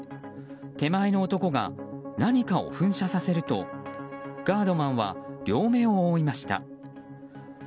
手前の男が何かを噴射させるとガードマンは、両目を覆いました。